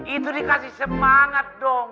itu dikasih semangat dong